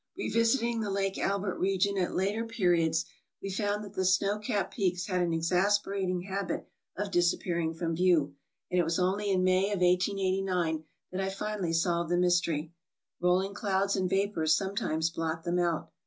AFRICA 351 Revisiting the Lake Albert region at later periods we found that the snow capped peaks had an exasperating habit of disappearing from view, and it was only in May of 1889 that I finally solved the mystery. Rolling clouds and vapors sometimes blot them out.